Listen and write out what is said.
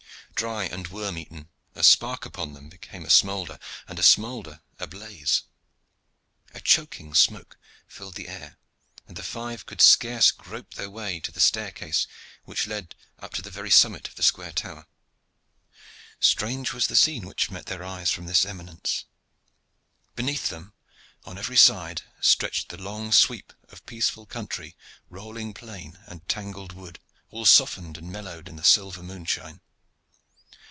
Dry and worm eaten, a spark upon them became a smoulder, and a smoulder a blaze. A choking smoke filled the air, and the five could scarce grope their way to the staircase which led up to the very summit of the square tower. Strange was the scene which met their eyes from this eminence. Beneath them on every side stretched the long sweep of peaceful country, rolling plain, and tangled wood, all softened and mellowed in the silver moonshine.